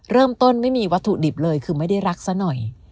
ไม่มีวัตถุดิบเลยคือไม่ได้รักซะหน่อย